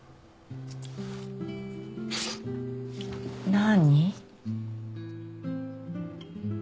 何？